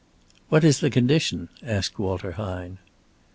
"What is the condition?" asked Walter Hine.